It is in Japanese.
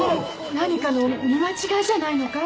何かの見間違いじゃないのかい？